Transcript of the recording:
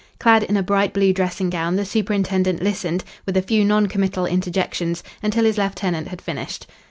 Clad in a bright blue dressing gown, the superintendent listened, with a few non committal interjections, until his lieutenant had finished.